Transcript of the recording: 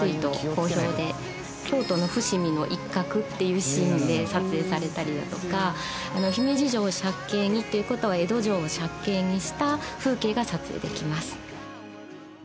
京都の伏見の一角っていうシーンで撮影されたりだとか姫路城を借景にっていう事は江戸城を借景にした風景が撮影できます。